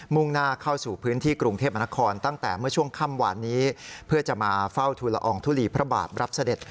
่งหน้าเข้าสู่พื้นที่กรุงเทพมนครตั้งแต่เมื่อช่วงค่ำหวานนี้เพื่อจะมาเฝ้าทุลอองทุลีพระบาทรับเสด็จ